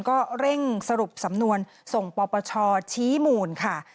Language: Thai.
ก็เร่งสรุปสำนวนส่งปปชชี้มูลค่ะ